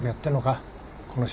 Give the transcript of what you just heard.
この島で。